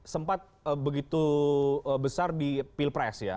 sempat begitu besar di pilpres ya